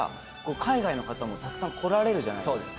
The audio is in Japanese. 海外の方もたくさん来られるじゃないですか。